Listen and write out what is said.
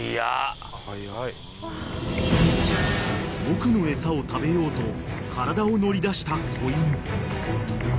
［奥の餌を食べようと体を乗り出した子犬］